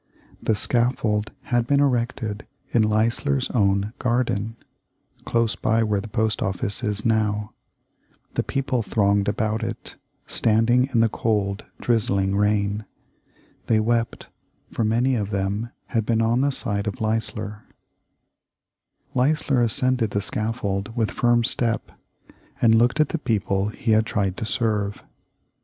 The scaffold had been erected in Leisler's own garden, close by where the post office is now. The people thronged about it, standing in the cold, drizzling rain. They wept, for many of them had been on the side of Leisler. [Illustration: Sloughter Signing Leisler's Death warrant.] Leisler ascended the scaffold with firm step, and looked at the people he had tried to serve.